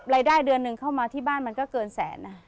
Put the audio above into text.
รายได้เดือนหนึ่งเข้ามาที่บ้านมันก็เกินแสนนะ